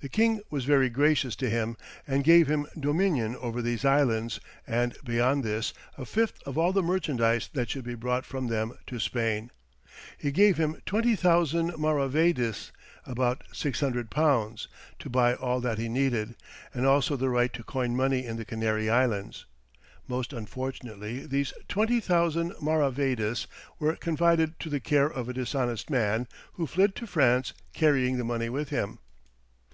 The king was very gracious to him and gave him dominion over these islands, and beyond this, a fifth of all the merchandise that should be brought from them to Spain. He gave him 20,000 maravédis, about 600_l._, to buy all that he needed, and also the right to coin money in the Canary Islands. Most unfortunately these 20,000 maravédis were confided to the care of a dishonest man, who fled to France, carrying the money with him.